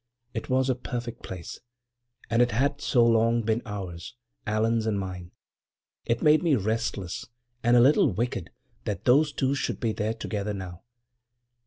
It was a perfect place—and it had so long been ours, Allan's and mine. It made me restless and a little wicked that those two should be there together now.